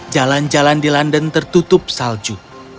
jalan jalan di london tertutup salju